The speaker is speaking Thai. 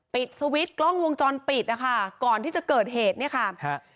สวิตช์กล้องวงจรปิดนะคะก่อนที่จะเกิดเหตุเนี่ยค่ะฮะ